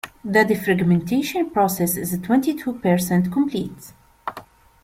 The defragmentation process is twenty-two percent complete.